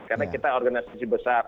karena kita organisasi besar